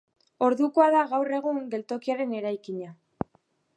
Ordukoa da gaur egungo geltokiaren eraikina.